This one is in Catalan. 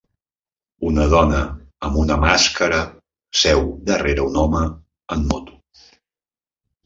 Una dona amb una màscara seu darrera un home en moto